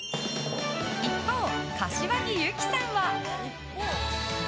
一方、柏木由紀さんは。